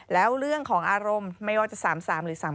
แล้วเรื่องของอารมณ์ไม่ว่าจะ๓๓หรือ๓๓